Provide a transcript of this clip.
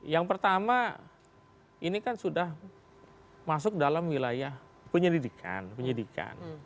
yang pertama ini kan sudah masuk dalam wilayah penyelidikan